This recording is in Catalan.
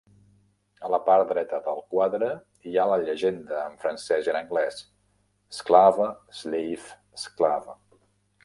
A la part dreta del quadre, hi ha la llegenda en francès i en anglès "Esclave, Slave, Esclave".